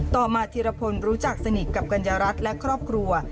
ต่อมาธีรพลรู้จักสนิทกับกัญญารัฐและครอบครัว